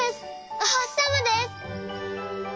おほしさまです！